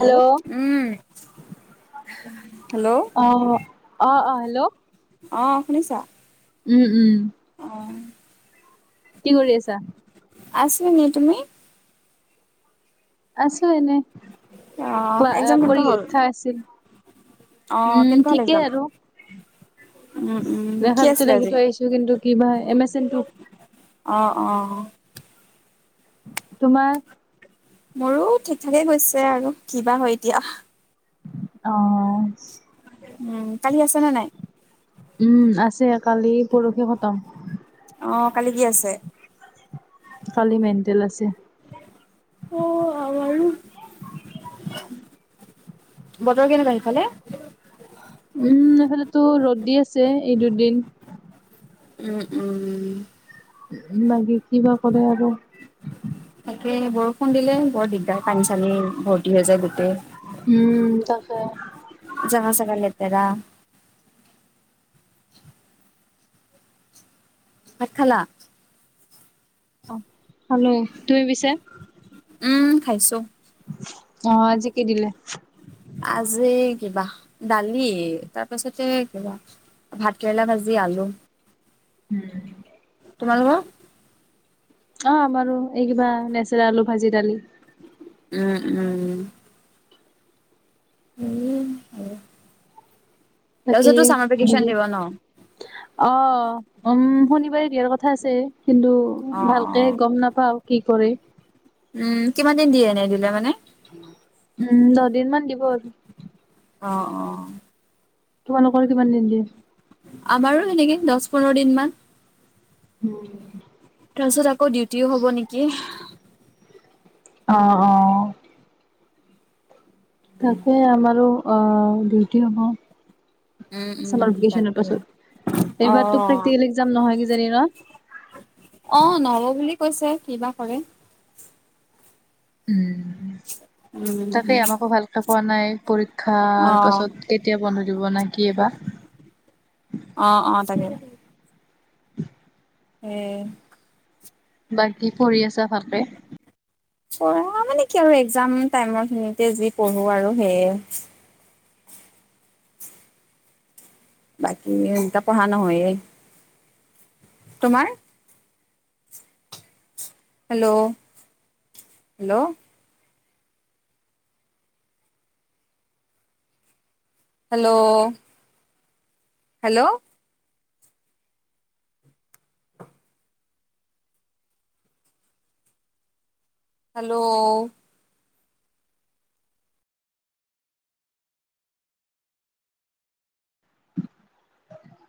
Hello অ উ অ অ হেল্ল'। অ' শুনিছা? উম, উম। অ'। কি কৰি আছা? আছো এনেই তুমি? আছিলো এনে অ' পা এক্সাম কেনেকুৱা হ'ল? পৰীক্ষা আছিল। অ' উম, কেনেকুৱা হ'ল এক্সাম? ঠিকেই আৰু উম, উম কি লেখাটোতো আছিলে লেখি আজি? থৈ আহিছো কিন্তু কিবা হয় এমেচেন টো। অ', অ'। তোমাৰ? মোৰো ঠিক-ঠাকে গৈছে আৰু কিবা হয় এতিয়া। অ। উম, কালি আছে নে নাই। উম, আছে কালি পৰহি খতম। অ, কালি কি আছে? কালি মেণ্টেল আছে। বতৰ কেনেকুৱা সিফালে। উম, এফালেতো ৰ'দ দি আছে এই দুদিন। উম-উম। বাকী কিবা কৰে আৰু। তাকে বৰষুণ দিলে বৰ দিগদাৰ। পানী চানী ভৰ্তি হৈ যায় গোটেই। উম, তাকে। জাগা- ছাগা লেতেৰা। ভাত খালা? অ, খালো তুমি পিছে? উম, খাইছো। অ, আজি কি দিলে? আজি কিবা দালি তাৰপাছতে কিবা ভাতকেৰেলা ভাজি আলু। উম- উম। তোমালোকৰ? অ, আমাৰো এই কিবা নেচেৰা, আলু, ভাজি-দালি। উম-উম। উম, হয়। বাকী ভেকেচন হেৰি দিব ন অ, উম, শনিবাৰে দিয়াৰ কথা আছে কিন্তু অ অ ভালকে গম নাপাও কি কৰে? উম, কিমান দিন দিয়ে এনেই দিলে মানে? উম, দহ দিন মান দিব আৰু। অ ', অ', তোমালোকৰ কিমান দিন দিয়ে? আমাৰো এনেকে দহ পোন্ধৰ দিন মান। উম, তাৰ পিছত আকৌ ডিউটিও হব নেকি? অ ', অ', তাকে আমাৰো অহ, ডিউটি হ'ব। উম উম চামাৰ ভাকেচনৰ তাকে পাছত অ এইবাৰতো প্ৰেক্টিকেল এক্সাম নহয় কিজানি ন? অ, নহব বুলি কৈছে কিবা কৰে। উম, উম, তাকে আমাকো ভালকে পোৱা নাই অ পৰীক্ষাৰ পাছত কেতিয়া বন্ধ দিব নে কিবা। অ ', অ', তাকে। এহ, বাকী পঢ়ি আছা ভালকে। পঢ়া মানে কি আৰু এক্সাম টাইমৰ খিনিতে যি পঢ়ো আৰু সেইয়ে। বাকী এা পঢ়া নহয়েই। তোমাৰ? Hello, -hello ', hello, hello, hello,